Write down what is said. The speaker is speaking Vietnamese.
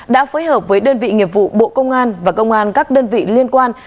đã phối hợp với đơn vị nghiệp vụ bộ công an và công an các đơn vị liên quan